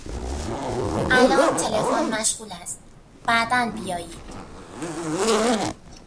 الان تلفن مشغول است، بعدا بیایید.